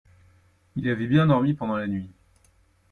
Il avait bien dormi pendant la nuit.